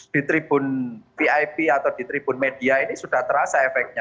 di tribun vip atau di tribun media ini sudah terasa efeknya